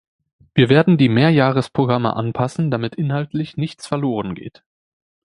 Wir werden die Mehrjahresprogramme anpassen, damit inhaltlich nichts verloren geht.